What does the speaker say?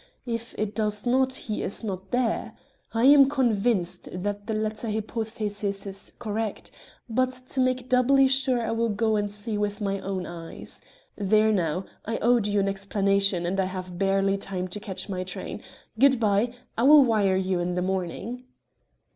If it does not, he is not there. I am convinced that the latter hypothesis is correct, but to make doubly sure I will go and see with my own eyes. There now I owed you an explanation, and I have barely time to catch my train. Good bye. I will wire you in the morning."